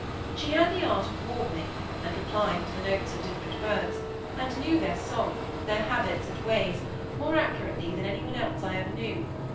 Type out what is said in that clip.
She had the art of warbling, and replying to the notes of different birds, and knew their song, their habits and ways, more accurately than any one else I ever knew.